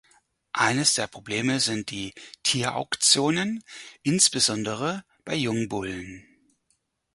Eines der Probleme sind die Tierauktionen, insbesondere bei Jungbullen.